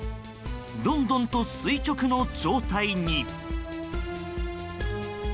どんどんと垂直の状態に。